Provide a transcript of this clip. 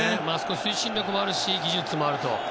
推進力もあるし技術もあると。